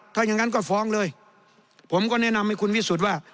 ถ้าอย่างนั้นก็ฟ้องเลยผมก็แนะนำให้คุณวิสุทธิ์ว่า